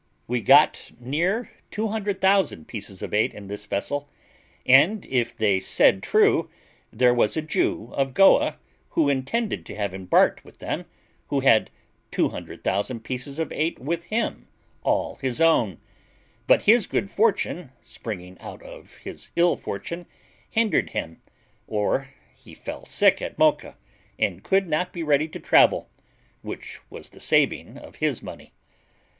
We got near 200,000 pieces of eight in this vessel; and, if they said true, there was a Jew of Goa, who intended to have embarked with them, who had 200,000 pieces of eight with him, all his own; but his good fortune, springing out of his ill fortune, hindered him, or he fell sick at Mocha, and could not be ready to travel, which was the saving of his money.